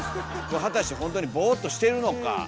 果たしてほんとにボーっとしているのか。